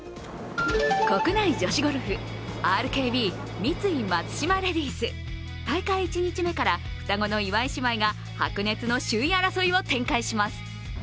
国内女子ゴルフＲＫＢ×三井松島レディス大会１日目から双子の岩井姉妹が白熱の首位争いを展開します。